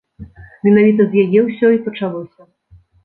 Менавіта з яе ўсё і пачалося.